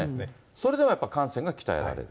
それでもやっぱり汗腺が鍛えられる。